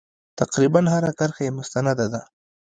تقریبا هره کرښه یې مستنده ده.